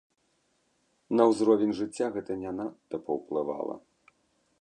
На ўзровень жыцця гэта не надта паўплывала.